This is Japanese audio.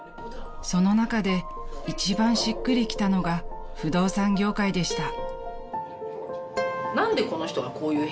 ［その中で一番しっくりきたのが不動産業界でした］